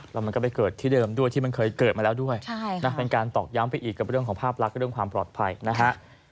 แล้วมันก็ไปเกิดที่เดิมด้วยที่มันเคยเกิดมาแล้วด้วยเป็นการตอกย้ำไปอีกกับเรื่องของภาพลักษณ์เรื่องความปลอดภัยนะฮะ